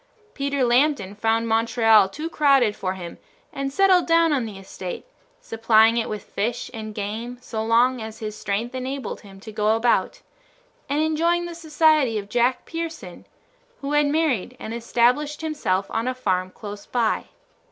Peter Lambton found Montreal too crowded for him and settled down on the estate, supplying it with fish and game so long as his strength enabled him to go about, and enjoying the society of Jack Pearson, who had married and established himself on a farm close by.